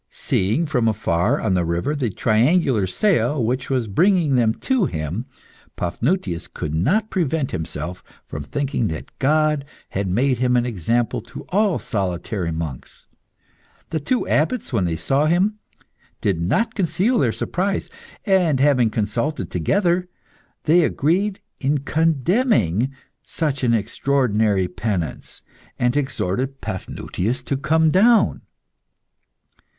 Seeing from afar, on the river, the triangular sail which was bringing them to him, Paphnutius could not prevent himself from thinking that God had made him an example to all solitary monks. The two abbots, when they saw him, did not conceal their surprise; and, having consulted together, they agreed in condemning such an extraordinary penance, and exhorted Paphnutius to come down.